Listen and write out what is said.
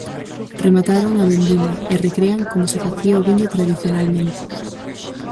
Remataron a vendima e recrean como se facía o viño tradicionalmente.